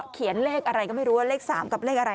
เขียนเลขอะไรก็ไม่รู้ว่าเลข๓กับเลขอะไร